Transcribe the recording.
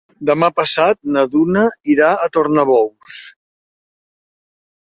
Demà passat na Duna irà a Tornabous.